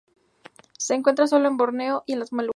Se encuentra sólo en Borneo y las Molucas.